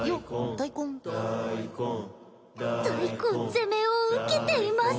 大根責めを受けています